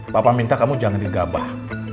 papa minta kamu jangan digabah